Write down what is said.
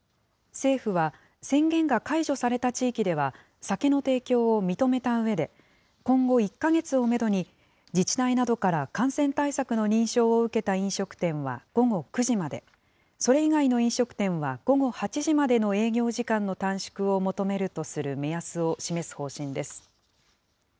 政府は、宣言が解除された地域では、酒の提供を認めたうえで、今後１か月をメドに、自治体などから感染対策の認証を受けた飲食店は午後９時まで、それ以外の飲食店は午後８時までの営業時間の短縮を求めるとする目安を示す方針です。